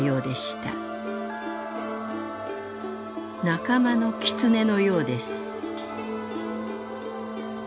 「仲間のキツネのようです」。